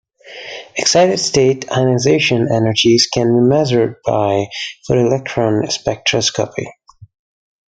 Excited-state ionization energies can be measured by photoelectron spectroscopy.